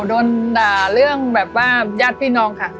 โดนด่าเรื่องแบบว่าญาติพี่น้องค่ะ